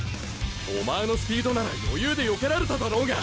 お前のスピードなら余裕でよけられただろうが！